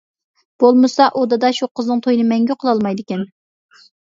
بولمىسا ئۇ دادا شۇ قىزنىڭ تويىنى مەڭگۈ قىلالمايدىكەن.